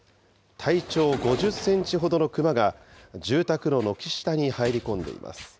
体長５０センチほどのクマが、住宅の軒下に入り込んでいます。